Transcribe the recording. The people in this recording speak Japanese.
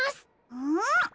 うん！